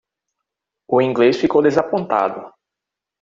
O inglês ficou desapontado.